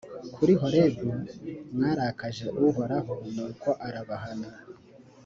kuri horebu mwarakaje uhoraho nuko arabahana